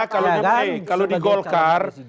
kalau di golkar